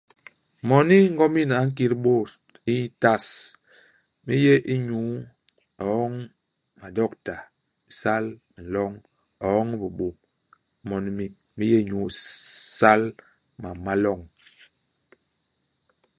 Moni ngomin a nkit bôt i tas, mi yé inyu ioñ madokta, isal nloñ, ioñ bibôm. Imoni mi, mi yé inyu isal mam ma loñ.